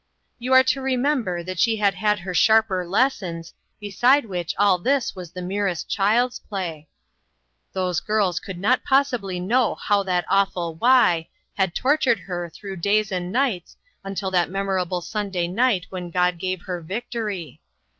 You are to remember that she had had her sharper lessons, beside which all this was the merest child's play. Those girls could not possibly know how that awful " why " had tortured her through days and nights until that memorable Sunday night when God gave her victory.